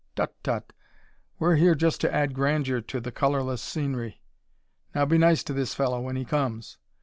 Tut, tut! We're here just to add grandeur to the colorless scenery. Now be nice to this fellow when he comes.